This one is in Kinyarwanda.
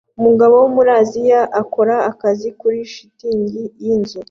Umugabo wo muri Aziya ukora akazi kuri shitingi yinzu